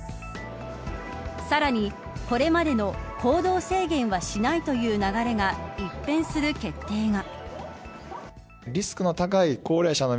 さらに、これまでの行動制限はしないという流れが一変する決定が。